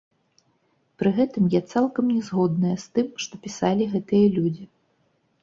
Пры гэтым, я цалкам не згодная з тым, што пісалі гэтыя людзі.